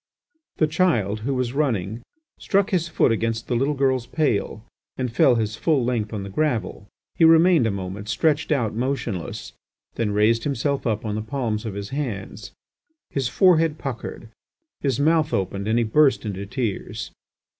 The child, who was running, struck his foot against the little girl's pail, and fell his full length on the gravel. He remained a moment stretched out motionless, then raised himself up on the palms of his hands. His forehead puckered, his mouth opened, and he burst into tears.